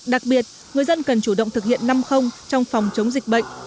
đặc biệt người dân cần chủ động thực hiện năm trong phòng chống dịch bệnh